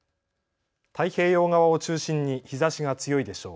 太平洋側を中心に日ざしが強いでしょう。